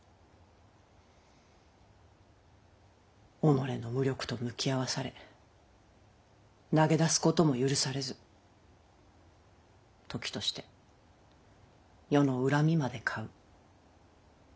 己の無力と向き合わされ投げ出すことも許されず時として世の恨みまで買う。